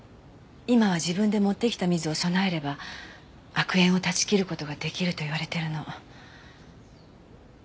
今は自分で持ってきた水を供えれば悪縁を絶ち切る事が出来るといわれてるの。